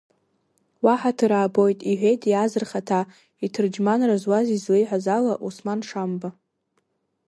Уаҳаҭыр аабоит, — иҳәеит иааз рхада, иҭырџьманра зуаз излеиҳәаз ала, Осман Шамба.